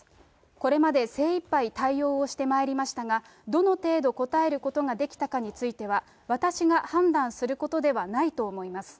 これまで精いっぱい対応をしてまいりましたが、どの程度応えることができたかについては、私が判断することではないと思います。